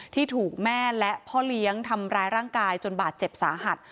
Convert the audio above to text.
ที่ถูกแม่และพ่อเลี้ยงทำร้ายร่างกายจนบาดเจ็บสาหัส